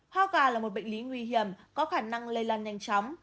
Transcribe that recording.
ho gà là một bệnh lý nguy hiểm có khả năng lây lan nhanh chóng